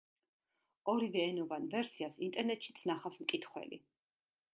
ორივე ენოვან ვერსიას ინტერნეტშიც ნახავს მკითხველი.